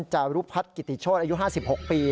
จารุพัฒน์กิติโชธอายุ๕๖ปี